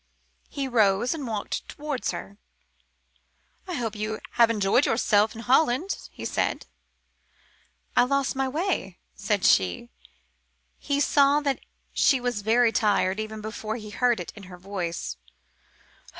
He rose and walked towards her. "I hope you have enjoyed yourself in Holland," he said. "I lost my way," said she. He saw that she was very tired, even before he heard it in her voice.